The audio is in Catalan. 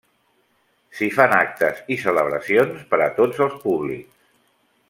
S'hi fan actes i celebracions per a tots els públics.